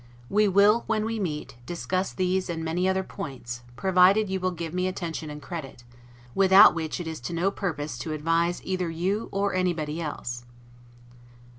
We will, when we meet, discuss these and many other points, provided you will give me attention and credit; without both which it is to no purpose to advise either you or anybody else.